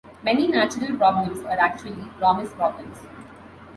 Many natural problems are actually promise problems.